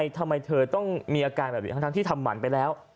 ทำไมเธอต้องมีอาการแบบนี้ทั้งที่ทำหมันไปแล้ว